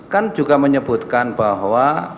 kan juga menyebutkan bahwa